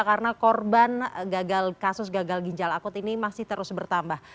karena korban gagal kasus gagal ginjal akut ini masih terus bertambah